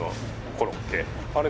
あれ